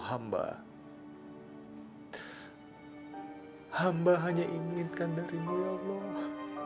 hamba hanya inginkan dari mu ya allah